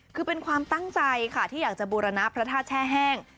คือเป็นความตั้งใจค่ะที่อยากจะบูรณะพระธาตุแช่แห้ง